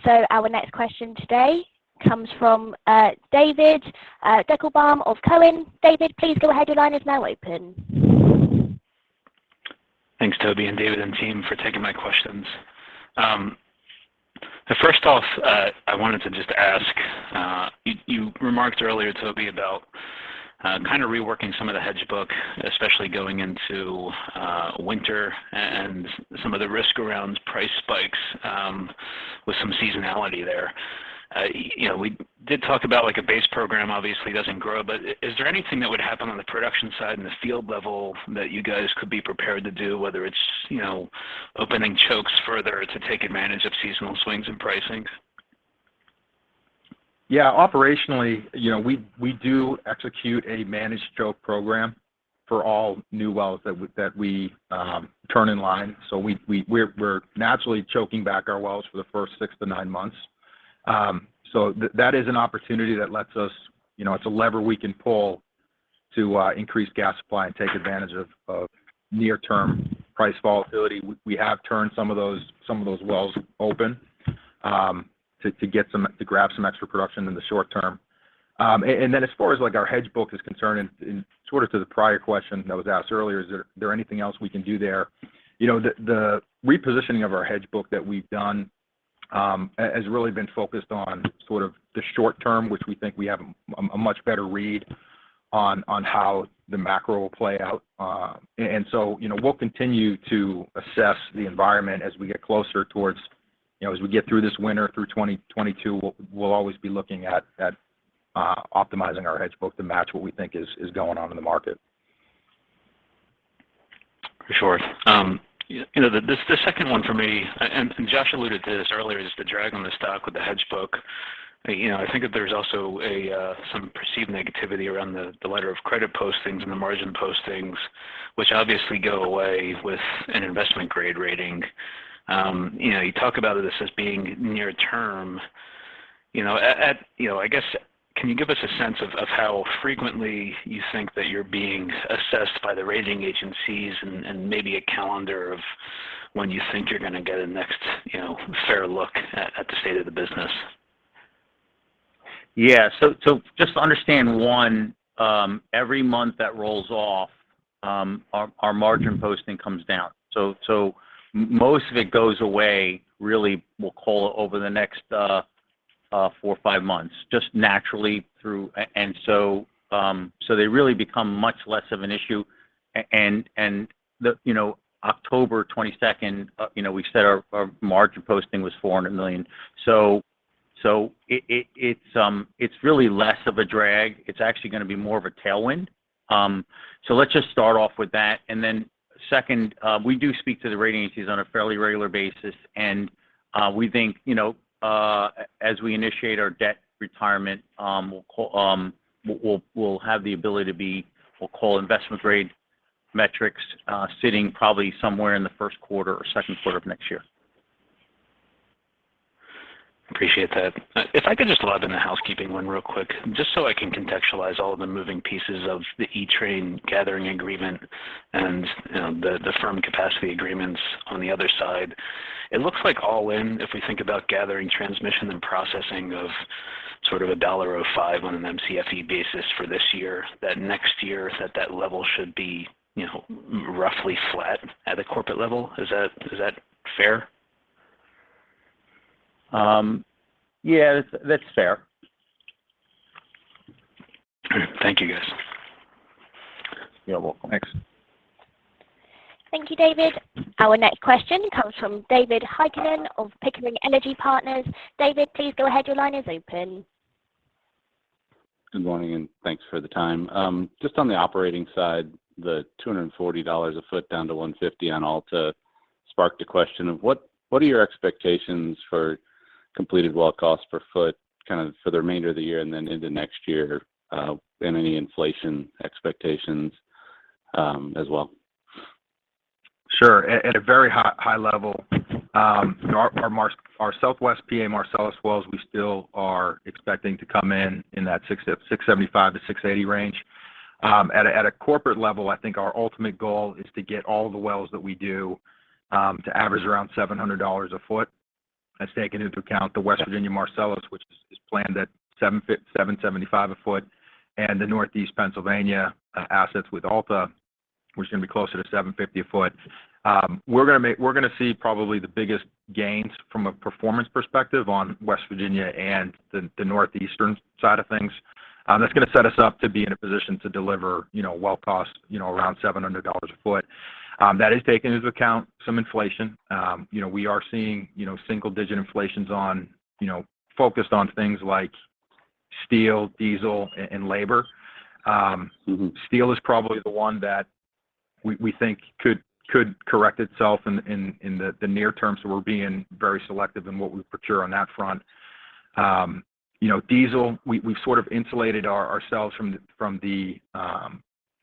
Our next question today comes from David Deckelbaum of Cowen. David, please go ahead. Your line is now open. Thanks, Toby, and David, and team for taking my questions. First off, I wanted to just ask you remarked earlier, Toby, about kind of reworking some of the hedge book, especially going into winter and some of the risk around price spikes, with some seasonality there. You know, we did talk about like a base program obviously doesn't grow, but is there anything that would happen on the production side and the field level that you guys could be prepared to do, whether it's, you know, opening chokes further to take advantage of seasonal swings in pricing? Yeah. Operationally, you know, we do execute a managed choke program for all new wells that we turn in line. We're naturally choking back our wells for the first six to nine months. That is an opportunity that lets us you know, it's a lever we can pull to increase gas supply and take advantage of near-term price volatility. We have turned some of those wells open to grab some extra production in the short term. Then as far as like our hedge book is concerned, and sort of to the prior question that was asked earlier, is there anything else we can do there? You know, the repositioning of our hedge book that we've done has really been focused on sort of the short term, which we think we have a much better read on how the macro will play out. You know, we'll continue to assess the environment as we get closer towards this winter through 2022. We'll always be looking at optimizing our hedge book to match what we think is going on in the market. Sure. You know, the second one for me, and Josh alluded to this earlier, is the drag on the stock with the hedge book. You know, I think that there's also some perceived negativity around the letter of credit postings and the margin postings, which obviously go away with an investment grade rating. You know, you talk about this as being near term. You know, I guess, can you give us a sense of how frequently you think that you're being assessed by the rating agencies and maybe a calendar of when you think you're gonna get a next, you know, fair look at the state of the business? Yeah. Just to understand one, every month that rolls off, our margin posting comes down. Most of it goes away, really. We'll call it over the next four or five months, just naturally through. They really become much less of an issue. You know, October 22, you know, we said our margin posting was $400 million. It it's really less of a drag. It's actually gonna be more of a tailwind. Let's just start off with that. Then second, we do speak to the rating agencies on a fairly regular basis, and we think, you know, as we initiate our debt retirement, we'll have the ability to call investment grade metrics sitting probably somewhere in the first quarter or second quarter of next year. Appreciate that. If I could just lob in a housekeeping one real quick, just so I can contextualize all of the moving pieces of the Equitrans gathering agreement and, you know, the firm capacity agreements on the other side. It looks like all in, if we think about gathering transmission and processing of sort of $1.05 on an MCFE basis for this year, that next year, that level should be, you know, roughly flat at a corporate level. Is that fair? Yeah, that's fair. Great. Thank you, guys. You're welcome. Thanks. Thank you, David. Our next question comes from David Heikkinen of Pickering Energy Partners. David, please go ahead. Your line is open. Good morning, and thanks for the time. Just on the operating side, the $240 a foot down to $150 on Alta sparked a question of what are your expectations for completed well costs per foot kind of for the remainder of the year and then into next year, and any inflation expectations, as well? Sure. At a very high level, our Southwest PA Marcellus wells, we still are expecting to come in in that $675-$680 range. At a corporate level, I think our ultimate goal is to get all the wells that we do to average around $700 a foot. That's taking into account the West Virginia Marcellus, which is planned at $775 a foot, and the Northeast Pennsylvania assets with Alta, which is gonna be closer to $750 a foot. We're gonna see probably the biggest gains from a performance perspective on West Virginia and the Northeastern side of things. That's gonna set us up to be in a position to deliver, you know, well cost, you know, around $700 a foot. That is taking into account some inflation. You know, we are seeing, you know, single-digit inflations on, you know, focused on things like steel, diesel and labor. Steel is probably the one that we think could correct itself in the near term, so we're being very selective in what we procure on that front. You know, diesel, we've sort of insulated ourselves from the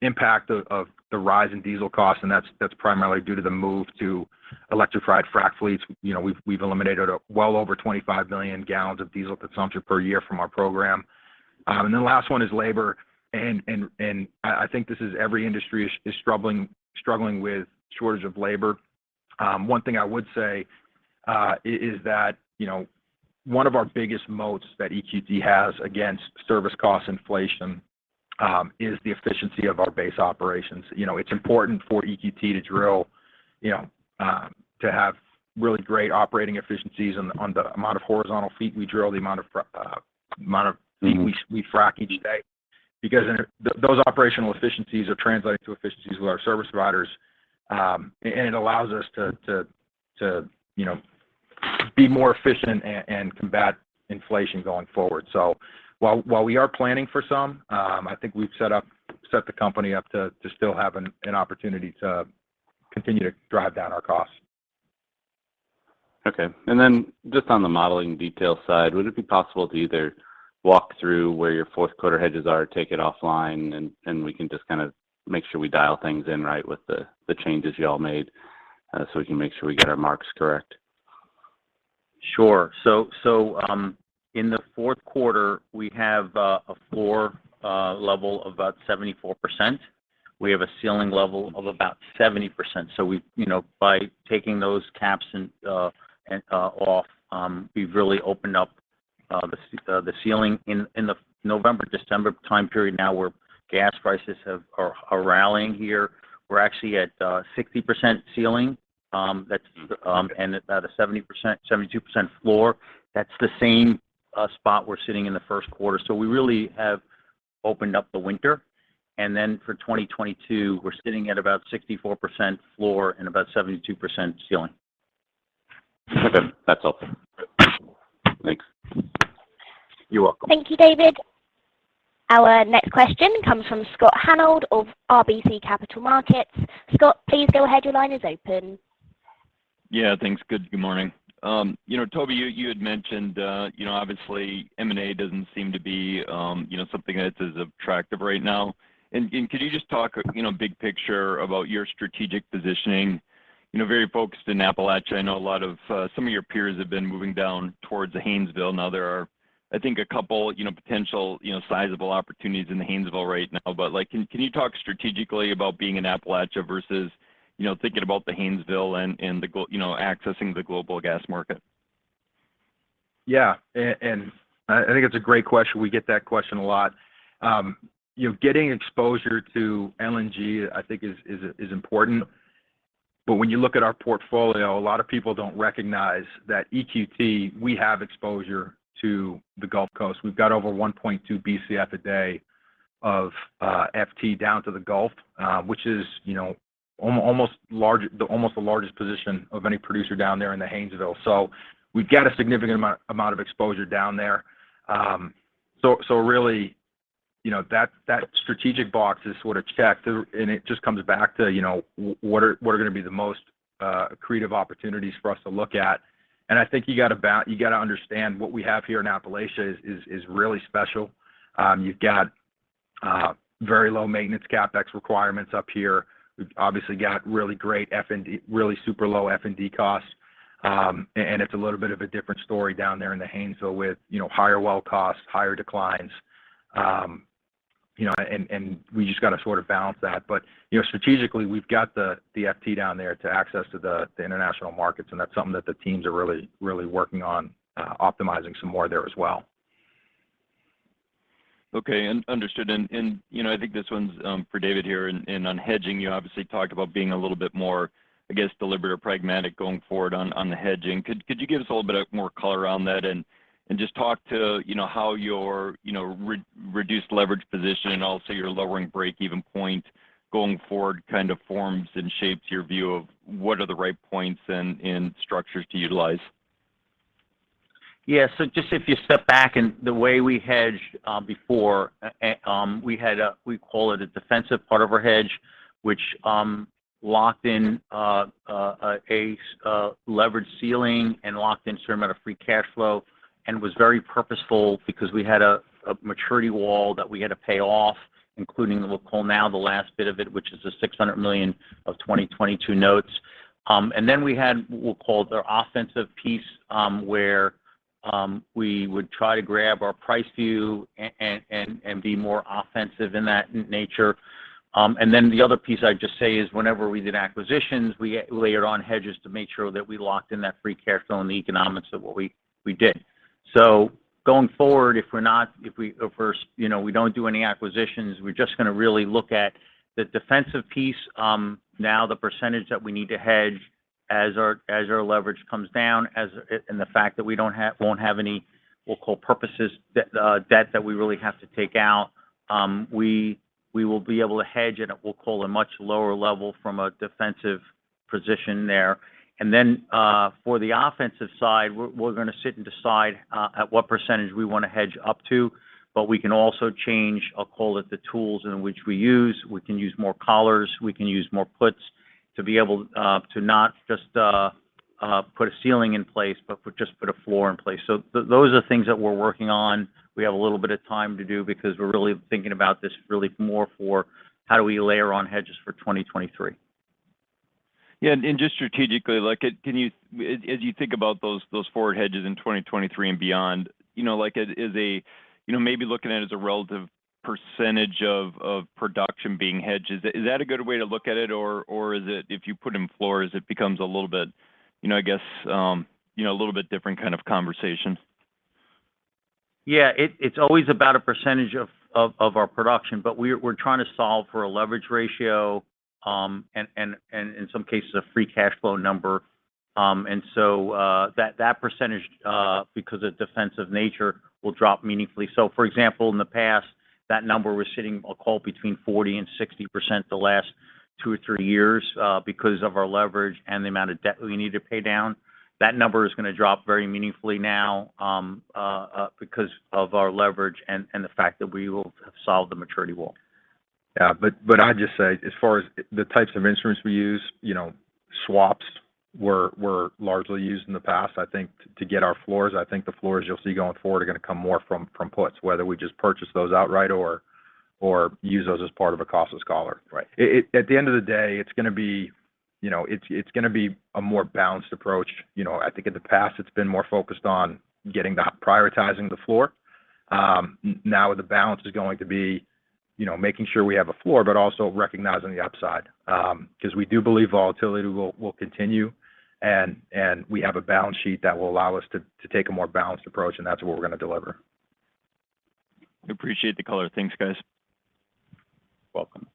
impact of the rise in diesel costs, and that's primarily due to the move to electrified frack fleets. You know, we've eliminated well over 25 million gallons of diesel consumption per year from our program. The last one is labor. I think this is every industry is struggling with shortage of labor. One thing I would say is that you know, one of our biggest moats that EQT has against service cost inflation is the efficiency of our base operations. You know, it's important for EQT to drill, you know, to have really great operating efficiencies on the amount of horizontal feet we drill, the amount of feet we frack each day because those operational efficiencies are translating to efficiencies with our service providers. And it allows us to, you know, be more efficient and combat inflation going forward. While we are planning for some, I think we've set the company up to still have an opportunity to continue to drive down our costs. Okay. Just on the modeling detail side, would it be possible to either walk through where your fourth quarter hedges are, take it offline, and we can just kinda make sure we dial things in right with the changes y'all made, so we can make sure we get our marks correct? Sure. In the fourth quarter, we have a floor level of about 74%. We have a ceiling level of about 70%. You know, by taking those caps and off, we've really opened up the ceiling in the November, December time period now where gas prices are rallying here. We're actually at 60% ceiling, that's and at about a 72% floor. That's the same spot we're sitting in the first quarter. We really have opened up the winter. Then for 2022, we're sitting at about 64% floor and about 72% ceiling. Okay. That's all. Thanks. You're welcome. Thank you, David. Our next question comes from Scott Hanold of RBC Capital Markets. Scott, please go ahead. Your line is open. Yeah, thanks. Good morning. You know, Toby, you had mentioned, you know, obviously M&A doesn't seem to be, you know, something that's as attractive right now. Could you just talk, you know, big picture about your strategic positioning? You know, very focused in Appalachia. I know a lot of some of your peers have been moving down towards the Haynesville. Now there are, I think, a couple, you know, potential, you know, sizable opportunities in the Haynesville right now. Like, can you talk strategically about being in Appalachia versus, you know, thinking about the Haynesville and the global, you know, accessing the global gas market? Yeah. I think it's a great question. We get that question a lot. You know, getting exposure to LNG, I think is important. When you look at our portfolio, a lot of people don't recognize that EQT, we have exposure to the Gulf Coast. We've got over 1.2 BCF a day of FT down to the Gulf, which is, you know, almost the largest position of any producer down there in the Haynesville. So we've got a significant amount of exposure down there. So really, you know, that strategic box is sort of checked, and it just comes back to, you know, what are gonna be the most creative opportunities for us to look at. I think you gotta understand what we have here in Appalachia is really special. You've got very low maintenance CapEx requirements up here. We've obviously got really great F&D, really super low F&D costs. It's a little bit of a different story down there in the Haynesville with, you know, higher well costs, higher declines. You know, we just gotta sort of balance that. But, you know, strategically, we've got the FT down there to access to the international markets, and that's something that the teams are really working on optimizing some more there as well. Okay. Understood. You know, I think this one's for David here. On hedging, you obviously talked about being a little bit more, I guess, deliberate or pragmatic going forward on the hedging. Could you give us a little bit more color around that and just talk to, you know, how your reduced leverage position and also your lowering breakeven point going forward kind of forms and shapes your view of what are the right points and structures to utilize? Just if you step back and the way we hedged before, we call it a defensive part of our hedge, which locked in a leveraged ceiling and locked in a certain amount of free cash flow and was very purposeful because we had a maturity wall that we had to pay off, including what we'll call now the last bit of it, which is the $600 million of 2022 notes. Then we had, we'll call the offensive piece, where we would try to grab our price view and be more offensive in that nature. The other piece I'd just say is whenever we did acquisitions, we layered on hedges to make sure that we locked in that free cash flow and the economics of what we did. Going forward, if, you know, we don't do any acquisitions, we're just gonna really look at the defensive piece, now the percentage that we need to hedge as our leverage comes down, and the fact that we won't have any callable debt that we really have to take out. We will be able to hedge at what we'll call a much lower level from a defensive position there. For the offensive side, we're gonna sit and decide at what percentage we wanna hedge up to, but we can also change, I'll call it, the tools in which we use. We can use more collars, we can use more puts to be able to not just put a ceiling in place, but just put a floor in place. Those are things that we're working on. We have a little bit of time to do because we're really thinking about this really more for how do we layer on hedges for 2023. Yeah. Just strategically, like, as you think about those forward hedges in 2023 and beyond, you know, like, maybe looking at it as a relative percentage of production being hedged, is that a good way to look at it, or is it if you put in floors, it becomes a little bit, you know, I guess, you know, a little bit different kind of conversation? Yeah. It's always about a percentage of our production, but we're trying to solve for a leverage ratio, and in some cases, a free cash flow number. And so, that percentage, because of defensive nature, will drop meaningfully. For example, in the past, that number was sitting, I'll call it between 40%-60% the last two or three years, because of our leverage and the amount of debt we need to pay down. That number is gonna drop very meaningfully now, because of our leverage and the fact that we will have solved the maturity wall. Yeah. I'd just say as far as the types of instruments we use, you know, swaps were largely used in the past, I think to get our floors. I think the floors you'll see going forward are gonna come more from puts, whether we just purchase those outright or use those as part of a costless collar. At the end of the day, it's gonna be, you know, a more balanced approach. You know, I think in the past it's been more focused on prioritizing the floor. Now the balance is going to be, you know, making sure we have a floor, but also recognizing the upside. Because we do believe volatility will continue and we have a balance sheet that will allow us to take a more balanced approach, and that's what we're going to deliver. Appreciate the color. Thanks, guys. Welcome.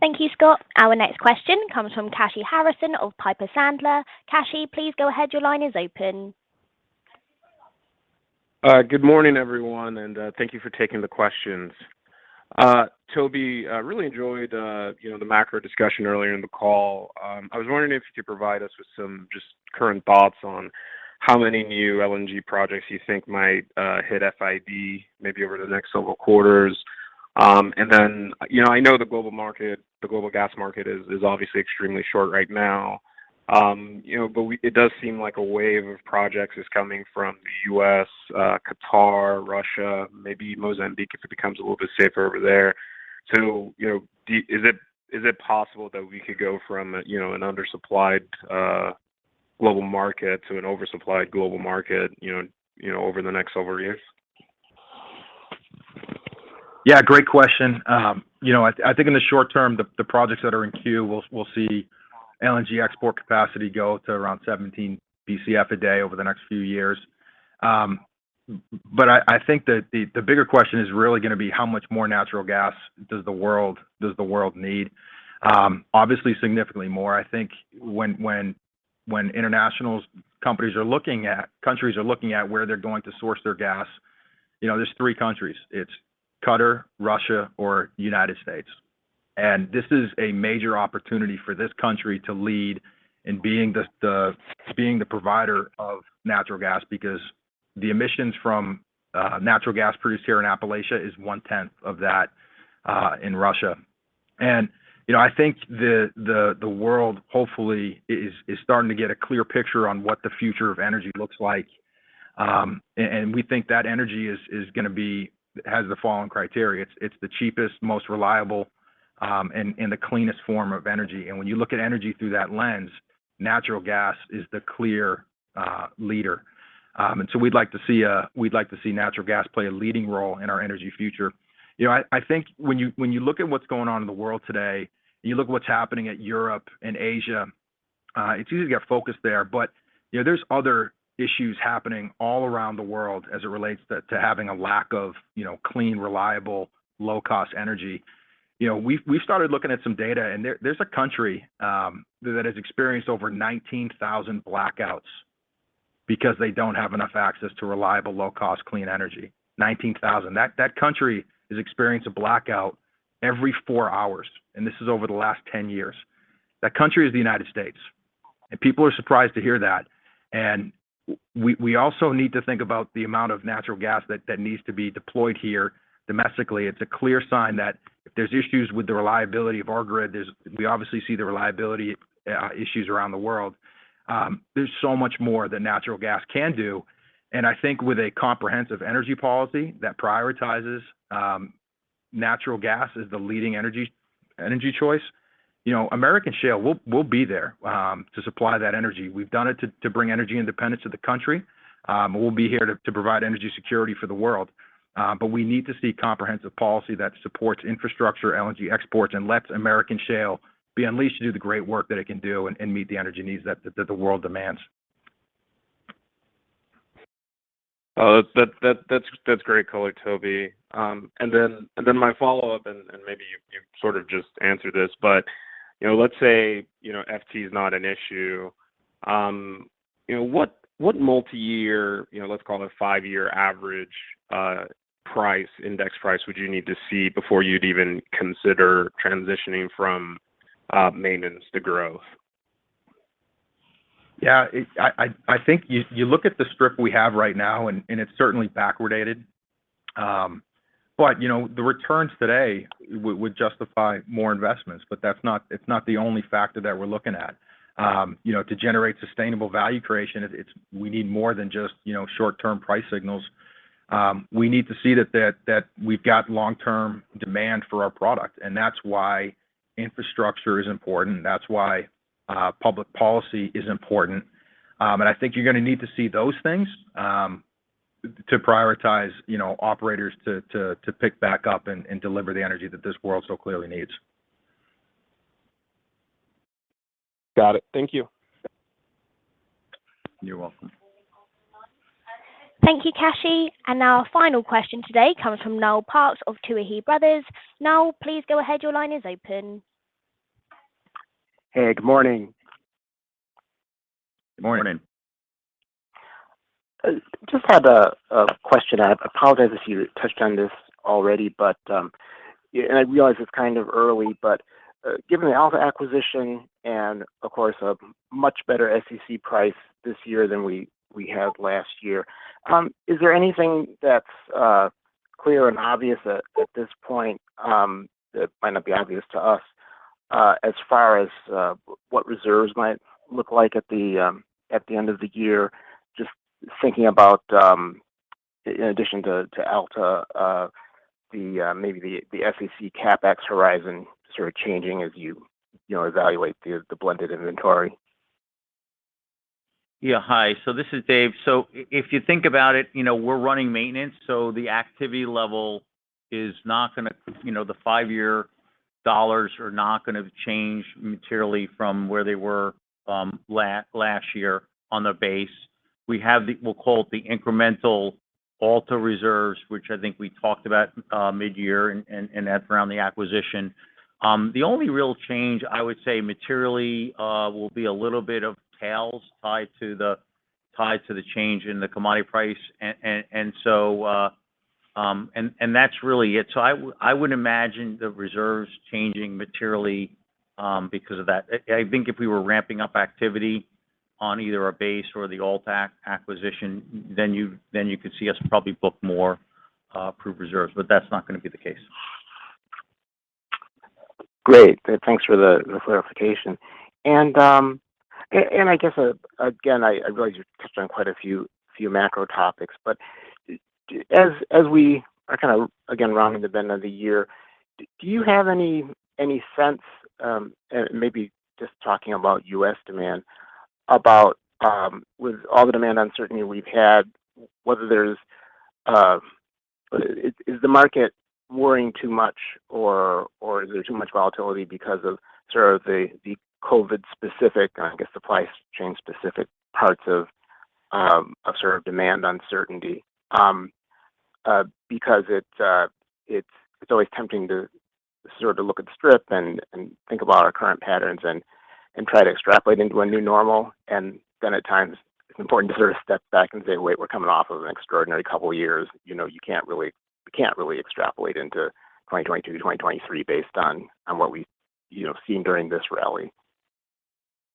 Thank you, Scott. Our next question comes from Kashy Harrison of Piper Sandler. Kashy, please go ahead. Your line is open. Good morning, everyone, and thank you for taking the questions. Toby, I really enjoyed you know, the macro discussion earlier in the call. I was wondering if you could provide us with some just current thoughts on how many new LNG projects you think might hit FID maybe over the next several quarters. And then, you know, I know the global market, the global gas market is obviously extremely short right now. You know, but it does seem like a wave of projects is coming from the U.S., Qatar, Russia, maybe Mozambique, if it becomes a little bit safer over there. Is it possible that we could go from you know, an undersupplied global market to an oversupplied global market, you know, over the next several years? Yeah, great question. You know, I think in the short term, the projects that are in queue, we'll see LNG export capacity go to around 17 BCF a day over the next few years. I think that the bigger question is really gonna be how much more natural gas does the world need? Obviously significantly more. I think when countries are looking at where they're going to source their gas, you know, there's three countries. It's Qatar, Russia, or United States. This is a major opportunity for this country to lead in being the provider of natural gas because the emissions from natural gas produced here in Appalachia is one-tenth of that in Russia. You know, I think the world hopefully is starting to get a clear picture on what the future of energy looks like. We think that energy has the following criteria. It's the cheapest, most reliable, and the cleanest form of energy. When you look at energy through that lens, natural gas is the clear leader. We'd like to see natural gas play a leading role in our energy future. You know, I think when you look at what's going on in the world today, you look what's happening in Europe and Asia, it's easy to get focused there. You know, there's other issues happening all around the world as it relates to having a lack of, you know, clean, reliable, low-cost energy. You know, we've started looking at some data, and there's a country that has experienced over 19,000 blackouts because they don't have enough access to reliable, low-cost, clean energy. 19,000. That country has experienced a blackout every four hours, and this is over the last 10 years. That country is the United States, and people are surprised to hear that. We also need to think about the amount of natural gas that needs to be deployed here domestically. It's a clear sign that if there's issues with the reliability of our grid, we obviously see the reliability issues around the world. There's so much more that natural gas can do. I think with a comprehensive energy policy that prioritizes natural gas as the leading energy choice, you know, American shale, we'll be there to supply that energy. We've done it to bring energy independence to the country. We'll be here to provide energy security for the world. We need to see comprehensive policy that supports infrastructure, LNG exports, and lets American shale be unleashed to do the great work that it can do and meet the energy needs that the world demands. That's great color, Toby. My follow-up, maybe you sort of just answered this, but you know, let's say you know, FT is not an issue. You know, what multiyear, you know, let's call it five-year average price index price would you need to see before you'd even consider transitioning from maintenance to growth? Yeah, I think you look at the strip we have right now and it's certainly backwardated. You know, the returns today would justify more investments, but that's not the only factor that we're looking at. You know, to generate sustainable value creation, we need more than just you know, short-term price signals. We need to see that we've got long-term demand for our product, and that's why infrastructure is important. That's why public policy is important. I think you're gonna need to see those things to prioritize you know, operators to pick back up and deliver the energy that this world so clearly needs. Got it. Thank you. You're welcome. Thank you, Kashy. Our final question today comes from Noel Parks of Tuohy Brothers. Noel, please go ahead. Your line is open. Hey, good morning. Good morning. Just had a question. I apologize if you touched on this already, but I realize it's kind of early, but given the Alta acquisition and, of course, a much better SEC price this year than we had last year, is there anything that's clear and obvious at this point that might not be obvious to us as far as what reserves might look like at the end of the year? Just thinking about, in addition to Alta, maybe the SEC CapEx horizon sort of changing as you know evaluate the blended inventory. Yeah. Hi. This is Dave. If you think about it, you know, we're running maintenance. You know, the five-year dollars are not gonna change materially from where they were last year on the base. We'll call it the incremental Alta reserves, which I think we talked about midyear, and that's around the acquisition. The only real change I would say materially will be a little bit of tails tied to the change in the commodity price. That's really it. I wouldn't imagine the reserves changing materially because of that. I think if we were ramping up activity on either our base or the Alta acquisition, then you could see us probably book more proved reserves, but that's not gonna be the case. Great. Thanks for the clarification. I guess again I realize you've touched on quite a few macro topics, but as we are kind of again rounding the bend of the year, do you have any sense maybe just talking about U.S. demand with all the demand uncertainty we've had, whether the market is worrying too much or is there too much volatility because of sort of the COVID-specific, I guess, supply chain specific parts of sort of demand uncertainty? Because it's always tempting to sort of look at strip and think about our current patterns and try to extrapolate into a new normal. At times it's important to sort of step back and say, "Wait, we're coming off of an extraordinary couple years. You know, We can't really extrapolate into 2022, 2023 based on what we've, you know, seen during this rally.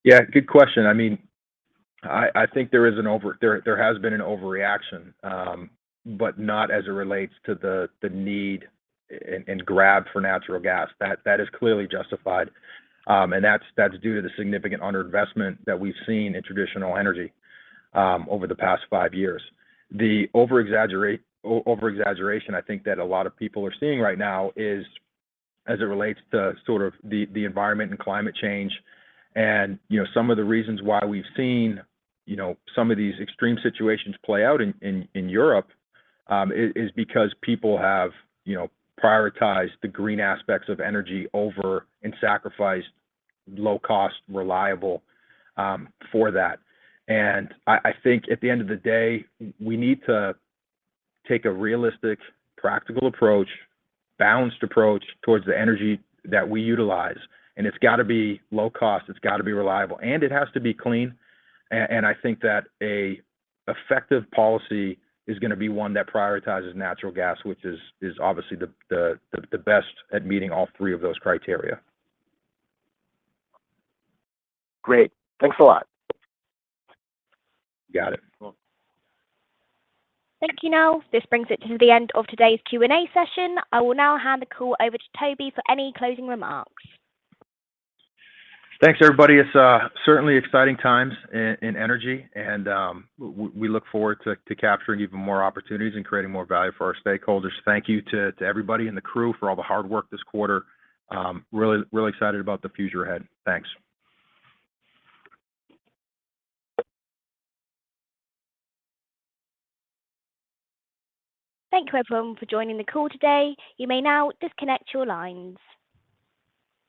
Yeah, good question. I mean, I think there has been an overreaction, but not as it relates to the need and grab for natural gas. That is clearly justified. That's due to the significant under-investment that we've seen in traditional energy over the past five years. The over-exaggeration I think that a lot of people are seeing right now is as it relates to sort of the environment and climate change. You know, some of the reasons why we've seen you know, some of these extreme situations play out in Europe is because people have you know, prioritized the green aspects of energy over and sacrificed low cost, reliable, for that. I think at the end of the day, we need to take a realistic, practical approach, balanced approach towards the energy that we utilize. It's gotta be low cost, it's gotta be reliable, and it has to be clean. I think that a effective policy is gonna be one that prioritizes natural gas, which is obviously the best at meeting all three of those criteria. Great. Thanks a lot. Got it. Thank you, Noel. This brings it to the end of today's Q&A session. I will now hand the call over to Toby for any closing remarks. Thanks, everybody. It's certainly exciting times in energy and we look forward to capturing even more opportunities and creating more value for our stakeholders. Thank you to everybody in the crew for all the hard work this quarter. Really excited about the future ahead. Thanks. Thank you everyone for joining the call today. You may now disconnect your lines.